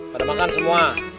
pada makan semua